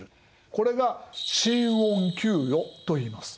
これが新恩給与といいます。